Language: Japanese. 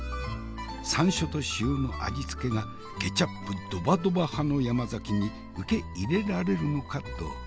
山椒と塩の味付けがケチャップどばどば派の山崎に受け入れられるのかどうか。